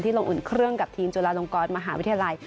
ลงอุ่นเครื่องกับทีมจุฬาลงกรมหาวิทยาลัย